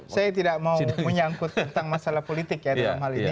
saya tidak mau menyangkut tentang masalah politik ya dalam hal ini